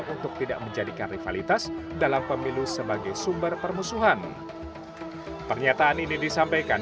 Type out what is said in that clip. untuk tidak menjadikan rivalitas dalam pemilu sebagai sumber permusuhan pernyataan ini disampaikan